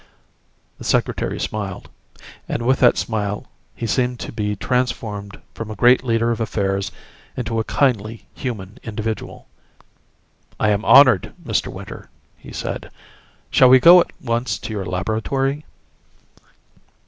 The Secretary smiled; and with that smile he seemed to be transformed from a great leader of affairs into a kindly, human individual. "I am honored, Mr. Winter," he said. "Shall we go at once to your laboratory?"